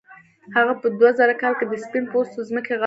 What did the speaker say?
هغه په دوه زره کال کې د سپین پوستو ځمکې غصب کړې.